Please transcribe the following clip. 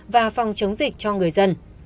và phòng chống dịch cho người dân